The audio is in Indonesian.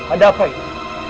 ada apa ini